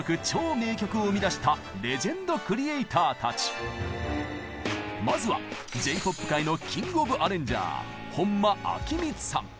続いてご紹介するのはまずはＪ−ＰＯＰ界のキング・オブ・アレンジャー本間昭光さん。